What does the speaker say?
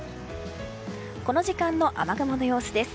この時間の雨雲の様子です。